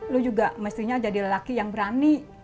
lu juga mestinya jadi lelaki yang berani